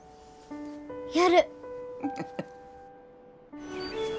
やる。